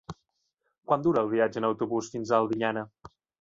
Quant dura el viatge en autobús fins a Albinyana?